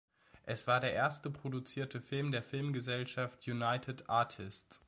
Es war der erste produzierte Film der Filmgesellschaft United Artists.